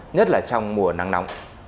nhất là trong mùa nắng nóng